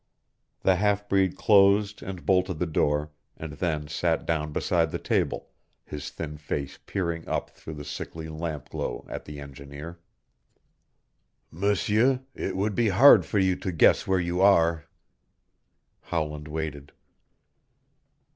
The half breed closed and bolted the door, and then sat down beside the table, his thin face peering up through the sickly lamp glow at the engineer. "M'seur, it would be hard for you to guess where you are." Howland waited.